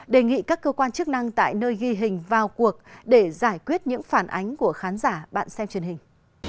đề nghị các cơ quan chức năng tại nơi ghi hình vào cuộc để giải quyết những phản ánh của khán giả bạn xem truyền hình